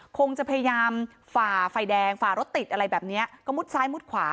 คงจะพยายามฝ่าไฟแดงฝ่ารถติดอะไรแบบเนี้ยก็มุดซ้ายมุดขวา